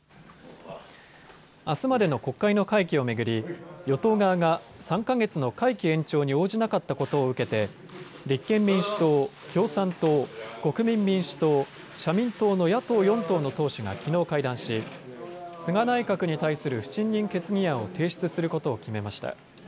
あすまでの国会の会期を巡り、与党側が３か月の会期延長に応じなかったことを受けて立憲民主党、共産党、国民民主党、社民党の野党４党の党首がきのう会談し、菅内閣に対する不信任決議案を提出することを決めました。